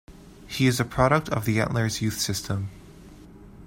He is a product of the Antlers youth system.